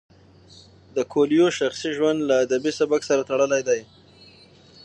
د کویلیو شخصي ژوند له ادبي سبک سره تړلی دی.